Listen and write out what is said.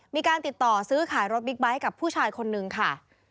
มีการติดต่อซื้อขายรถบิ๊กไบท์กับผู้ชายคนนึงค่ะ